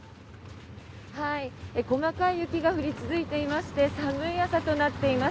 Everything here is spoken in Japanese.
細かい雪が降り続いていまして寒い朝となっています。